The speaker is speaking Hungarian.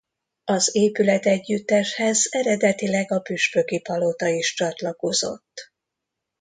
Az épületegyütteshez eredetileg a püspöki palota is csatlakozott.